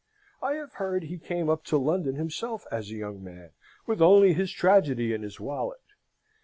I have heard he came up to London himself as a young man with only his tragedy in his wallet.